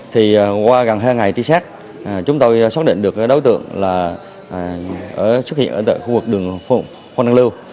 thì qua gần hai ngày trí xác chúng tôi xác định được đối tượng là xuất hiện ở tận khu vực đường phong đăng lưu